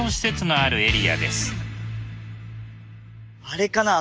あれかな？